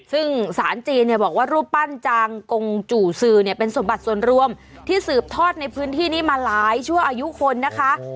ซึ่งสารจีนเนี่ยบอกว่ารูปปั้นจางกงจู่ซือเนี่ยเป็นสมบัติส่วนรวมที่สืบทอดในพื้นที่นี้มาหลายชั่วอายุคนนะคะ